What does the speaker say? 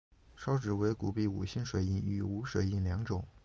钞纸为古币五星水印与无水印两种。